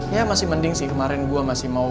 ya masih mending sih kemarin gue masih mau